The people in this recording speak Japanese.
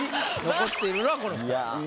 残っているのはこの二人。